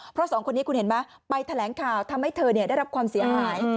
เพราะสองคนนี้คุณเห็นไหมไปแถลงข่าวทำให้เธอได้รับความเสียหาย